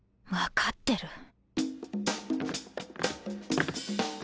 分かってる。